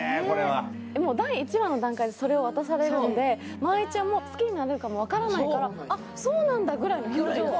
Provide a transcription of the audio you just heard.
これは第１話の段階でそれを渡されるので真愛ちゃんも好きになれるかも分からないから「あっそうなんだ」ぐらいの表情